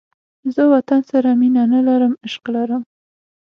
زه وطن سره مینه نه لرم، عشق لرم